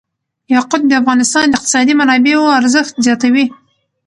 یاقوت د افغانستان د اقتصادي منابعو ارزښت زیاتوي.